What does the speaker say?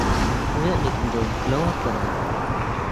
ᱩᱱᱤᱭᱟᱜ ᱧᱩᱛᱩᱢ ᱫᱚ ᱠᱞᱚᱶᱮᱨ ᱠᱟᱱᱟ᱾